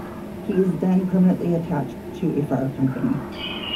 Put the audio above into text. He is then permanently attached to a fire company.